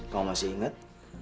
kamu masih ingat